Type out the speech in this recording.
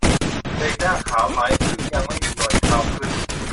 เด็กหน้าขาว หมายถึงยังไม่มีหนวดเคราขึ้น